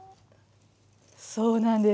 そうなんです。